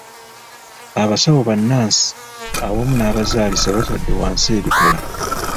Abasawo bannansi awamu n'abazaalisa batadde wansi ebikola.